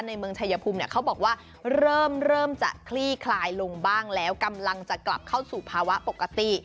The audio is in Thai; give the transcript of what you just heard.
เมืองชายภูมิเนี่ยเขาบอกว่าเริ่มจะคลี่คลายลงบ้างแล้วกำลังจะกลับเข้าสู่ภาวะปกติ